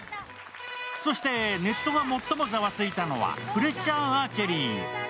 そしてネットが最もざわついたのが重圧アーチェリー。